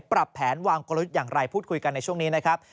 ปรับแผนวางกลยุทธ์อย่างไรพูดคุยกันในช่วงนี้นะครับ